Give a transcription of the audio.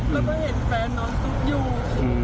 แล้วก็เห็นแฟนนอนตุ๊บอยู่